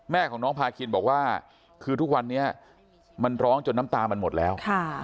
แม่ของน้องพาคินบอกว่าคือทุกวันนี้มันร้องจนน้ำตามันหมดแล้ว